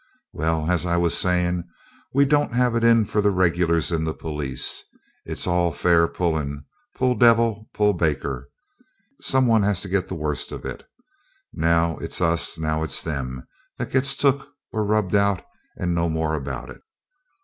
Well, as I was sayin', we don't have it in for the regulars in the police; it's all fair pulling, 'pull devil pull baker', some one has to get the worst of it. Now it's us, now it's them, that gets took or rubbed out, and no more about it.